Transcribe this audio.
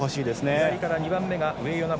左から２番目が上与那原。